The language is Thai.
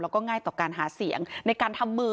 แล้วก็ง่ายต่อการหาเสียงในการทำมือ